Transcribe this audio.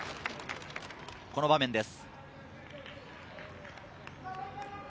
この場面です。